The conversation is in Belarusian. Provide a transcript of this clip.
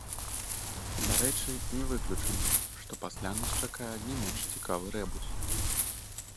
Дарэчы, не выключана, што пасля нас чакае не менш цікавы рэбус.